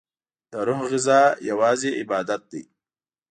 دروح غذا یوازی عبادت دی